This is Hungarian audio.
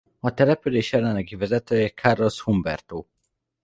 A település jelenlegi vezetője Carlos Humberto.